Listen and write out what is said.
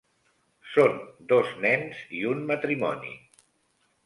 Son dos nens i un matrimoni.